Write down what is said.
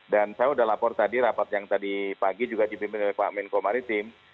dan saya sudah lapor tadi rapat yang tadi pagi juga di pimpinan pak amin komaritim